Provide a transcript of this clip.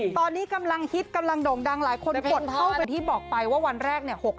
ตอนนี้กำลังฮิตกำลังโด่งดังหลายคนกดเท่ากับที่บอกไปว่าวันแรกเนี่ย